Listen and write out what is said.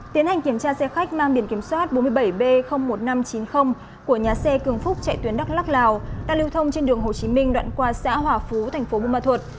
tiến hành kiểm tra xe khách mang biển kiểm soát bốn mươi bảy b một nghìn năm trăm chín mươi của nhà xe cường phúc chạy tuyến đắk lắc lào đang lưu thông trên đường hồ chí minh đoạn qua xã hòa phú thành phố bù ma thuật